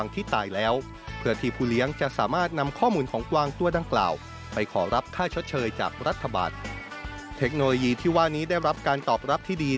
เทคโนโลยีที่ว่านี้ได้รับการตอบรับที่ดี